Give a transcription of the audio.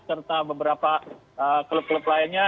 serta beberapa klub klub lainnya